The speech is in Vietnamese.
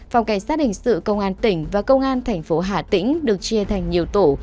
phòng cảnh sát hình sự công an tỉnh và công an thành phố hà tĩnh được chia thành nhiều tổ